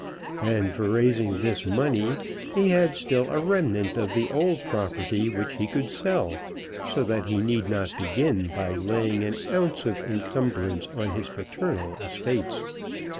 And for raising this money he had still a remnant of the old property which he could sell, so that he need not begin by laying an ounce of encumbrance on his paternal estates.